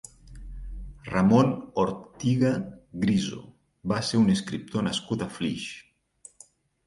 Ramon Ortiga Griso va ser un escriptor nascut a Flix.